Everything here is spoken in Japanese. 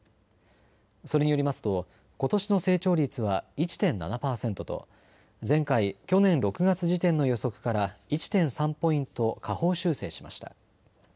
それによりますとことしの成長率は１．７％と前回、去年６月時点の予測から１．３ポイント下方修正しました。